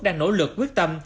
đang nỗ lực quyết tâm